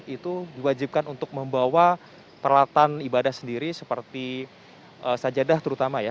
itu diwajibkan untuk membawa peralatan ibadah sendiri seperti sajadah terutama ya